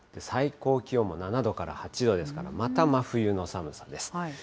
最高気温も７度から８度ですから、また真冬の寒さです。